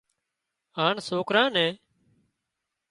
هانَ سوڪرا نين